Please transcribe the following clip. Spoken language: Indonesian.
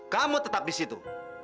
kamu tetap di situ